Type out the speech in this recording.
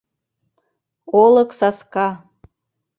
Олык саска —